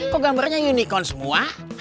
kok gambarnya unicorn semua